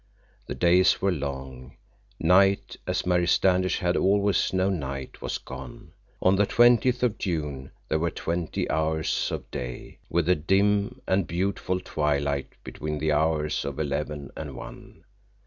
The days were long. Night, as Mary Standish had always known night, was gone. On the twentieth of June there were twenty hours of day, with a dim and beautiful twilight between the hours of eleven and one.